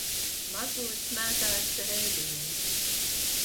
Mazulis mētājas ar ēdienu.